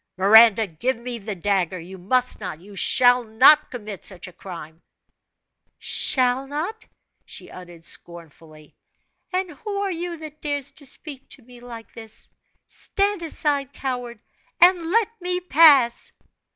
"Miranda, give me the dagger. You must not, you shall not, commit such a crime!" "Shall not?" she uttered scornfully. "And who are you that dares to speak to me like this? Stand aside, coward, and let me pass!"